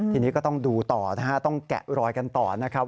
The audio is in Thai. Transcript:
ทีนี้ก็ต้องดูต่อนะฮะต้องแกะรอยกันต่อนะครับ